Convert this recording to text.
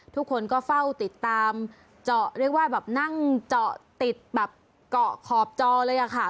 ทุกคนก็เฝ้าติดตามเจาะเรียกว่าแบบนั่งเจาะติดแบบเกาะขอบจอเลยค่ะ